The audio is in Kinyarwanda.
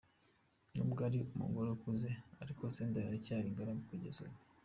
N’ubwo ari umusore ukuze ariko, Senderi aracyari ingaragu kugeza ubu.